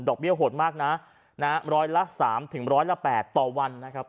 ดอกเบี้ยโหดมากนะนะฮะร้อยละสามถึงร้อยละแปดต่อวันนะครับ